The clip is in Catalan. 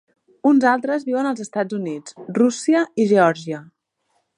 Uns altres viuen als Estats Units, Rússia i Geòrgia.